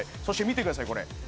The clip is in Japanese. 「そして見てくださいこれ」